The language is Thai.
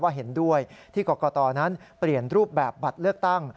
เห็นด้วยที่กรกตนั้นเปลี่ยนรูปแบบบัตรเลือกตั้ง